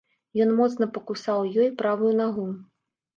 Ён моцна пакусаў ёй правую нагу.